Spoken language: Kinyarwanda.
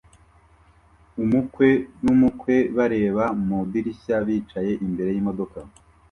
Umukwe n'umukwe bareba mu idirishya bicaye imbere y'imodoka